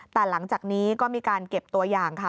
แต่หลังจากนี้ก็มีการเก็บตัวอย่างค่ะ